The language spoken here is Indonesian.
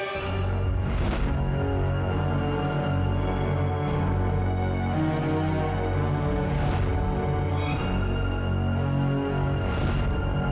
sudah lihat saja